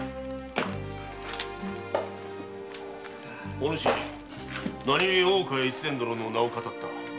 お主何故大岡越前殿の名を騙った？